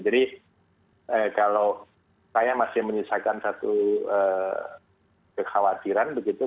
jadi kalau saya masih menyisakan satu kekhawatiran begitu